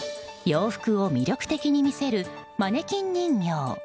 洋服を魅力的に見せるマネキン人形。